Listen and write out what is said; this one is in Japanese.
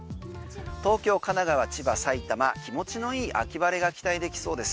東京、神奈川、千葉、埼玉気持ちの良い秋晴れが期待できそうです。